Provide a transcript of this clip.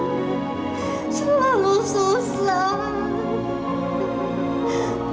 dalam kehidupan selalu susah